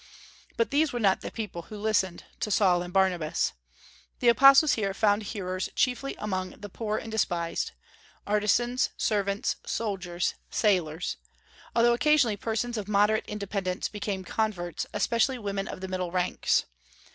But these were not the people who listened to Saul and Barnabas. The apostles found hearers chiefly among the poor and despised, artisans, servants, soldiers, sailors, although occasionally persons of moderate independence became converts, especially women of the middle ranks.